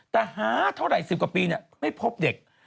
แต่หาเท่าไหร่๑๐กว่าปีไม่พบเด็ก